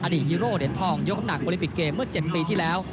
อดีตฮีโร่เดนทองยกหนักบริมิตเกมเมื่อ๗ปีที่แล้ว